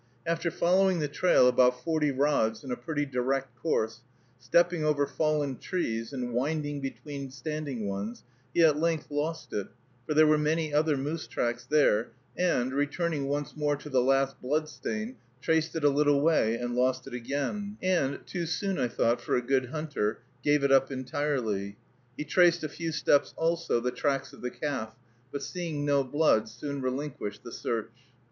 After following the trail about forty rods in a pretty direct course, stepping over fallen trees and winding between standing ones, he at length lost it, for there were many other moose tracks there, and, returning once more to the last blood stain, traced it a little way and lost it again, and, too soon, I thought, for a good hunter, gave it up entirely. He traced a few steps, also, the tracks of the calf; but, seeing no blood, soon relinquished the search.